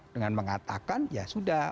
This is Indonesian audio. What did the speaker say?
dengan mengatakan ya sudah